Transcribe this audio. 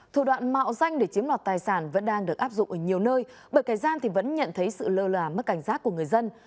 thủ đoạn mạo danh để chiếm đoạt tài sản vẫn đang được áp dụng ở nhiều nơi bởi kẻ gian vẫn nhận thấy sự lơ là mất cảnh giác của người dân